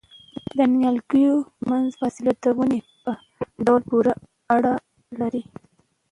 د نیالګیو ترمنځ فاصله د ونې په ډول پورې اړه لري؟